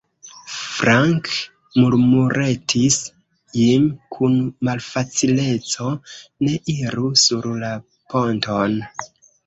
Frank, murmuretis Jim kun malfacileco, ne iru sur la ponton!